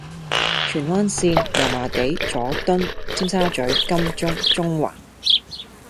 荃灣綫：油麻地，佐敦，尖沙咀，金鐘，中環